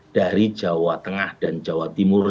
dari jawa tengah dan jawa timur